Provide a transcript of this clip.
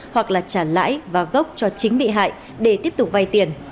hoặc là trả lãi và gốc cho chính bị hại để tiếp tục vay tiền